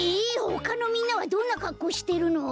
ほかのみんなはどんなかっこうしてるの？